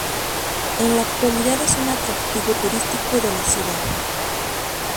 En la actualidad es un atractivo turístico de la ciudad.